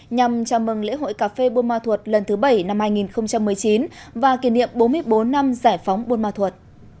nhằm chào mừng lễ hội cà phê buôn ma thuột lần thứ bảy năm hai nghìn một mươi chín và kỷ niệm bốn mươi bốn năm giải phóng buôn ma thuột